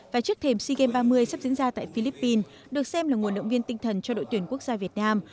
và trước thềm sea games ba mươi sắp diễn ra tại philippines được xem là nguồn động viên tinh thần cho đội tuyển quốc gia việt nam